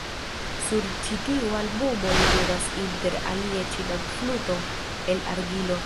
Sur ĉi tiu albumo li ludas inter alie ĉinan fluton el argilo.